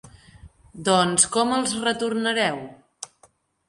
Doncs com els retornareu?